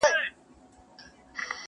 زموږ ادرس دي وي معلوم کنه ورکیږو٫